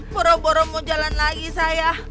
boroboro mau jalan lagi saya